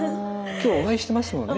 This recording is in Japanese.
今日お会いしてますもんね